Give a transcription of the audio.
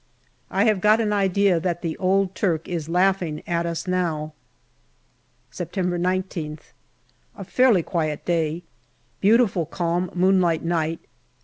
I have got an idea that the old Turk is laughing at us now. September I9th. A fairly quiet day. Beautiful calm moonlight night.